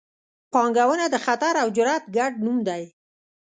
پانګونه د خطر او جرات ګډ نوم دی.